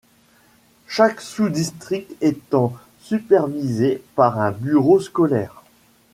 Chaque sous-district étant supervisé par un bureau scolaire.